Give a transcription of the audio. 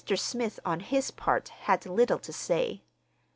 Smith, on his part, had little to say.